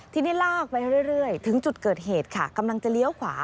ทีนี้ลากไปเรื่อยถึงจุดเกิดเหตุค่ะกำลังจะเลี้ยวขวา